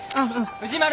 藤丸！